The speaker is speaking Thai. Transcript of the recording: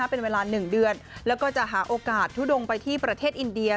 เป็นเวลา๑เดือนแล้วก็จะหาโอกาสทุดงไปที่ประเทศอินเดีย